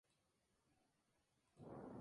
Se destacó en cine, teatro y televisión.